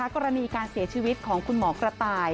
กรณีการเสียชีวิตของคุณหมอกระต่าย